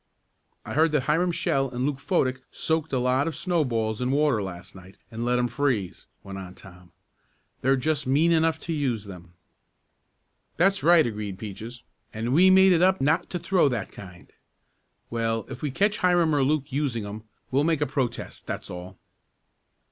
"I heard that Hiram Shell and Luke Fodick soaked a lot of snowballs in water last night, and let 'em freeze," went on Tom. "They're just mean enough to use them." "That's right," agreed Peaches, "and we made it up not to throw that kind. Well, if we catch Hiram or Luke using 'em we'll make a protest, that's all."